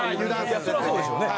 そりゃそうでしょうね。